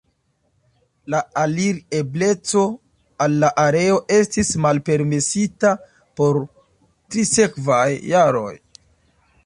La alir-ebleco al la areo estis malpermesita por tri sekvaj jaroj.